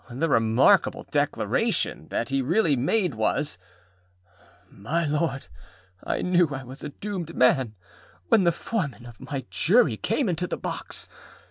â The remarkable declaration that he really made was this: â_My Lord_, I knew I was a doomed man, when the Foreman of my Jury came into the box.